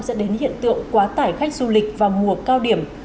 dẫn đến hiện tượng quá tải khách du lịch vào mùa cao điểm